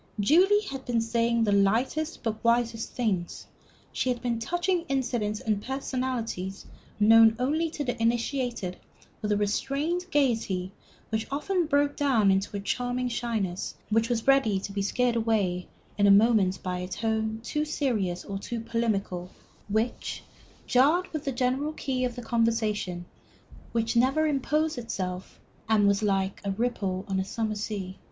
Julie had been saying the lightest but the wisest things; she had been touching incidents and personalities known only to the initiated with a restrained gayety which often broke down into a charming shyness, which was ready to be scared away in a moment by a tone too serious or too polemical which jarred with the general key of the conversation, which never imposed itself, and was like the ripple on a summer sea.